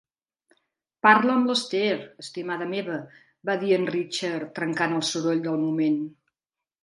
"Parla amb l'Esther, estimada meva", va dir en Richard, trencant el soroll del moment.